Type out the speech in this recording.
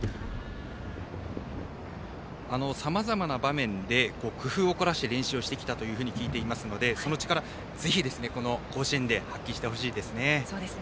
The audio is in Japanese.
さまざまな場面で工夫を凝らして練習をしてきたと聞いているのでその力をぜひ、この甲子園で発揮してほしいですね。